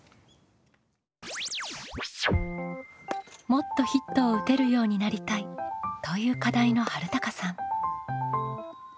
「もっとヒットを打てるようになりたい」という課題のはるたかさん。